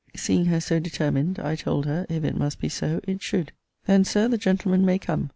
Seeing her so determined, I told her, if it must be so, it should. Then, Sir, the gentleman may come.